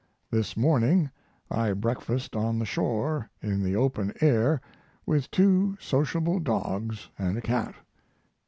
This morning I breakfasted on the shore in the open air with two sociable dogs & a cat.